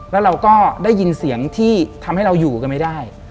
แล้วเราก็ได้ยินเสียงที่ทำให้เราอยู่กันไม่ได้